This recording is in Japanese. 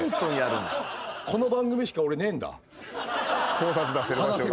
考察出せる場所が？